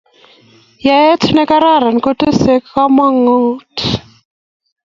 Yaet nekararan kutesei kamanut